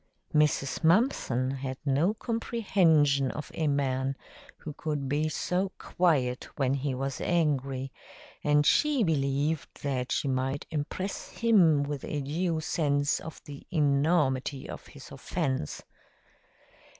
Mrs. Mumpson had no comprehension of a man who could be so quiet when he was angry, and she believed that she might impress him with a due sense of the enormity of his offense.